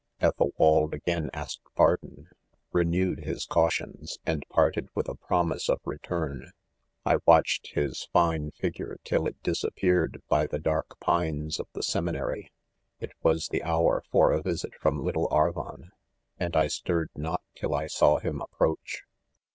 ..* Ethelwald again asked pardon ; renewed his cautions, and parted with a promise of re turn, I watched his fine figure till it disap peared by the dark pines of the seminary. It was the hour for a visit from little Arvon, and 1 stirred not tijl I saw him approach.